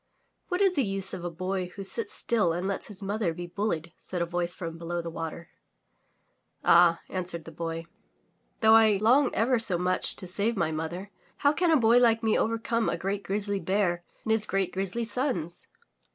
''What is the use of a boy who sits still and lets his mother be bullied?'' said a voice from below the water. *'Ah," answered the Boy, ''though I long ever so much to save my mother, how can a boy like me overcome a great grizzly bear and his great grizzly sons?"